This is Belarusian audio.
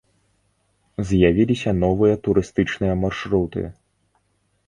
З'явіліся новыя турыстычныя маршруты.